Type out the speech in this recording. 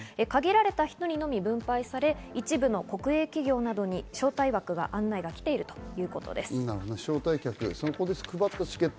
限られた人にのみ分配され、一部の国営企業などに招待枠が案内が来ているということです。